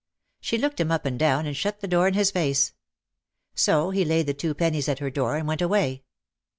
She looked him up and down and shut the door in his face. So he laid the two pen nies at her door and went away.